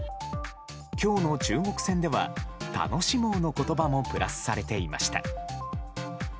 今日の中国戦では楽しもう！の言葉もプラスされていました。